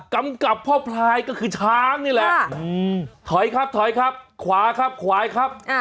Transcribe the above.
กับพ่อพลายก็คือช้างนี่แหละถอยครับถอยครับขวาครับขวายครับ